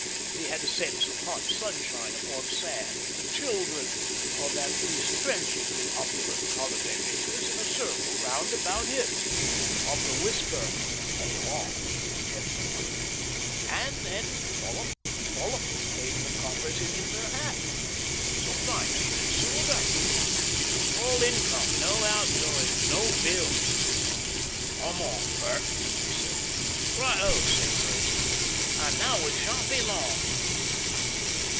He had a sense of hot sunshine upon sand, of the children of at least transiently opulent holiday makers in a circle round about him, of the whisper, "They are really gentlemen," and then dollop, dollop came the coppers in the hat. Sometimes even silver. It was all income; no outgoings, no bills. "I'm on, Bert," he said. "Right O!" said Bert, and, "Now we shan't be long."